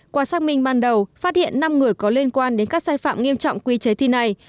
qua xác minh ban đầu phát hiện năm người có liên quan đến các sai phạm nghiêm trọng quy chế thi này